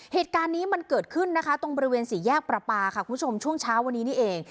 เหตุการณ์นี้มันเกิดขึ้นนะคะตรงบริเวณสี่แยกประปาค่ะคุณผู้ชมช่วงเช้าวันนี้นี่เอง